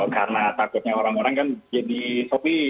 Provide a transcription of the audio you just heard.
karena takutnya orang orang kan jadi sopi